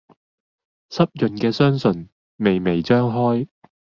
濕潤嘅雙唇，微微張開